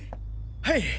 はい。